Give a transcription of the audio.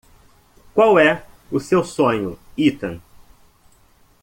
Qual é o seu sonho, Ethan?